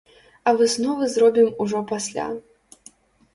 А высновы зробім ужо пасля.